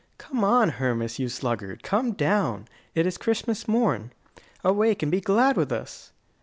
"Come down, Hermas, you sluggard! Come down! It is Christmas morn. Awake, and be glad with us!"